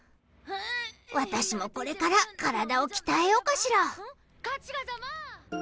私もこれから体を鍛えようかしら。